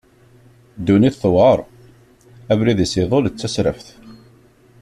Dunnit tuɛer, abrid-is iḍul d tasraft.